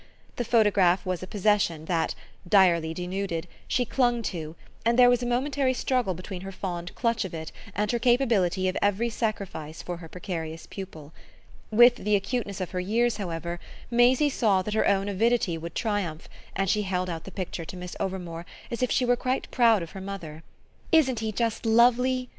The photograph was a possession that, direly denuded, she clung to, and there was a momentary struggle between her fond clutch of it and her capability of every sacrifice for her precarious pupil. With the acuteness of her years, however, Maisie saw that her own avidity would triumph, and she held out the picture to Miss Overmore as if she were quite proud of her mother. "Isn't he just lovely?"